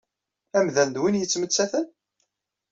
Amdan d win yettmettaten?